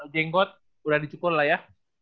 jenggot udah dicukur lah ya